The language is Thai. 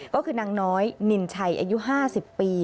ก็คือนางน้อยนินชัยอายุ๕๐ปี